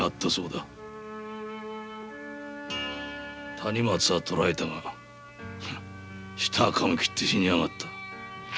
谷松は捕らえたが舌かみ切って死にやがった。